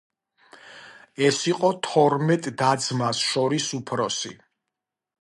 ის იყო თორმეტ და-ძმას შორის უფროსი.